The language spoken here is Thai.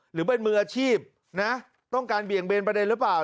หรือเป็นมืออาชีพนะต้องการเบี่ยงเบนประเด็นหรือเปล่า